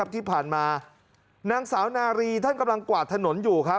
ที่ผ่านมานางสาวนารีท่านกำลังกวาดถนนอยู่ครับ